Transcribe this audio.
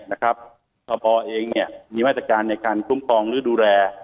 นะครับท่อบอร์เองเนี่ยมีวัตการในการคุ้มครองหรือดูแล